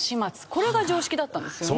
これが常識だったんですよね。